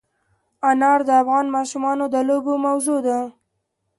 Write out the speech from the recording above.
انار د افغان ماشومانو د لوبو موضوع ده.